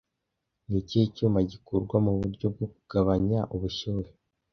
Ni ikihe cyuma gikurwa muburyo bwo kugabanya ubushyuhe